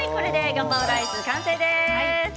ガパオライス、完成です。